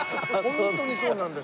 ホントにそうなんです。